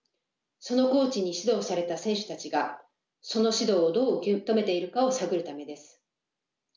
そのコーチに指導された選手たちがその指導をどう受け止めているかを探るためです。